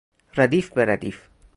ردیف به ردیف